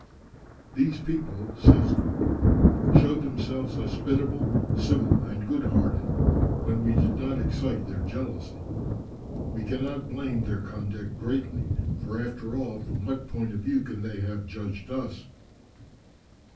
"These people," says Cook, "showed themselves hospitable, civil, and good hearted, when we did not excite their jealousy. We cannot blame their conduct greatly, for after all, from what point of view can they have judged us?